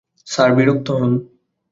Sir বিরক্ত হন।